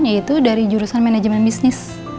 yaitu dari jurusan manajemen bisnis